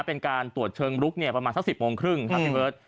เป็นการตรวจเชิงลุกประมาณสัก๑๐๓๐นที่เวิร์ด